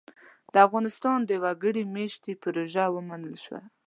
د افغانستان د وګړ مېشتۍ پروژه ومنل شوه.